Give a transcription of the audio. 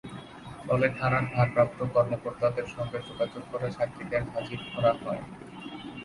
ফলে থানার ভারপ্রাপ্ত কর্মকর্তাদের সঙ্গে যোগাযোগ করে সাক্ষীদের হাজির করা হয়।